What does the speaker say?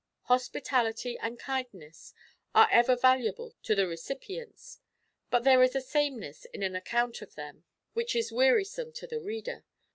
Hospitality and kindness are ever valuable to the recipients, but there is a sameness in an account of them which is wearisome to the reader.